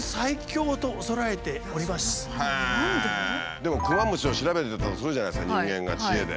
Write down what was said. でもクマムシを調べていったとするじゃないですか人間が知恵で。